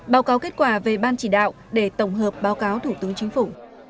báo cáo kết quả về ban chỉ đạo để tổng hợp báo cáo thủ tướng chính phủ